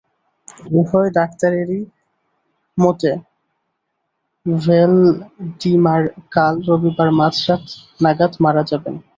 উভয় ডাক্তারেরই মতে ভ্যালডিমার কাল রবিবার মাঝরাত নাগাদ মারা যাবেন।